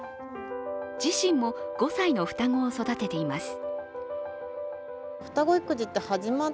自身も５歳の双子を育てています。